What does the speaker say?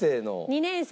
２年生。